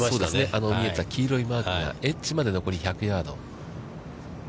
あの見えた黄色いマークが、エッジまで残り１００ヤード。